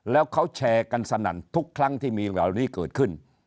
แล้วเขาแชร์กันสนั่นทุกครั้งที่มีเหล่านี้เกิดขึ้น